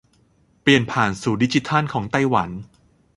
เปลี่ยนผ่านสู่ดิจิทัลของไต้หวัน